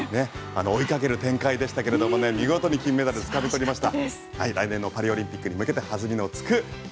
追いかける展開でしたが見事に金メダルをつかめました。